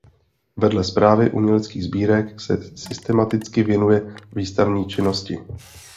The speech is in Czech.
Vedle správy uměleckých sbírek se systematicky věnuje výstavní činnosti.